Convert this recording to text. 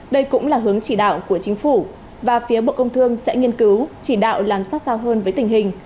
đây cũng là hướng chỉ đạo của chính phủ và phía bộ công thương sẽ nghiên cứu chỉ đạo làm sát sao hơn với tình hình